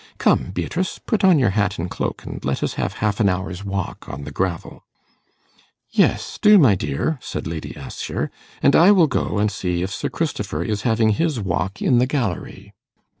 Come, Beatrice, put on your hat and cloak, and let us have half an hour's walk on the gravel.' 'Yes, do, my dear,' said Lady Assher, 'and I will go and see if Sir Christopher is having his walk in the gallery.